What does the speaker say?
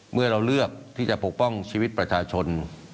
เมื่อเราเลือกที่จะปกป้องชีวิตประชาชน